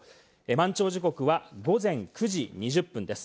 満潮時刻は午前９時３６分です。